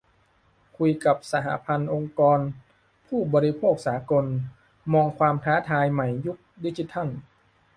คุยกับ 'สหพันธ์องค์กรผู้บริโภคสากล' มองความท้าทายใหม่ยุคดิจิทัล